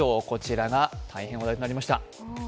こちらが大変話題になりました。